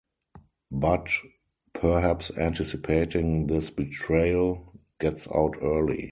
Bud, perhaps anticipating this betrayal, gets out early.